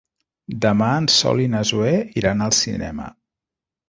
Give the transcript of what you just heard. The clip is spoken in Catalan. Demà en Sol i na Zoè iran al cinema.